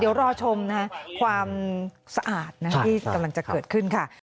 เดี๋ยวรอชมนะฮะความสะอาดที่กำลังจะเกิดขึ้นค่ะ